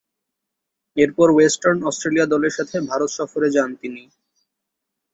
এরপর Western Australia দলের সাথে ভারত সফরে যান তিনি।